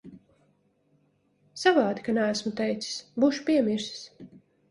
Savādi, ka neesmu teicis. Būšu piemirsis.